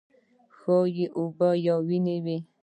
ښايي اوبه یا وینه وي.